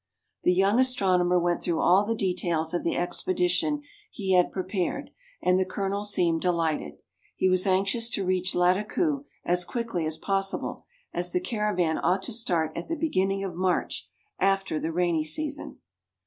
The young astronomer went through all the details of the expedition he had prepared, and the Colonel seemed delighted. He was anxious to reach Lattakoo as quickly as possible, as the caravan ought to start at the beginning of March, after the rainy season.